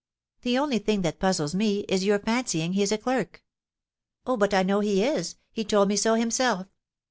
The only thing that puzzles me is your fancying he is a clerk." "Oh, but I know he is. He told me so himself."